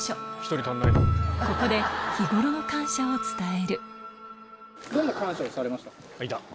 ここで日頃の感謝を伝えるはい。